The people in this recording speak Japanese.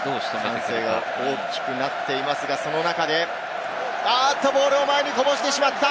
歓声が大きくなっていますが、その中で、あっと、ボールを前にこぼしてしまった。